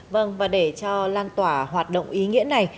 vâng và để cho lan tỏa hoạt động ý nghĩa này